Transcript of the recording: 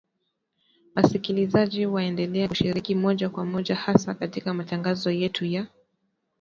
Wasikilizaji waendelea kushiriki moja kwa moja hasa katika matangazo yetu ya